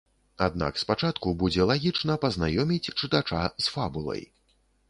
Аднак спачатку будзе лагічна пазнаёміць чытача з фабулай.